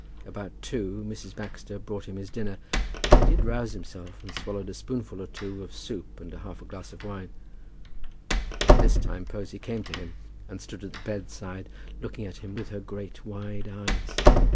About two Mrs. Baxter brought him his dinner, and he did rouse himself, and swallowed a spoonful or two of soup and half a glass of wine. At this time Posy came to him, and stood at the bedside, looking at him with her great wide eyes.